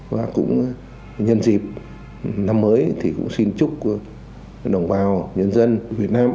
và cũng nhân dịp năm mới thì cũng xin chúc đồng bào nhân dân việt nam